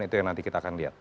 itu yang nanti kita akan lihat